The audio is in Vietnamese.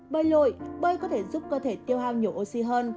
bơi lội bơi có thể giúp cơ thể tiêu hao nhiều oxy hơn